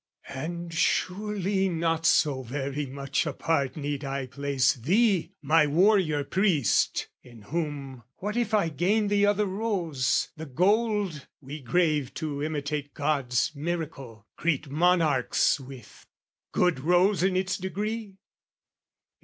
And surely not so very much apart Need I place thee, my warrior priest, in whom What if I gain the other rose, the gold. We grave to imitate God's miracle, Greet monarchs with, good rose in its degree?